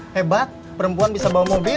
hebat perempuan bisa bawa mobil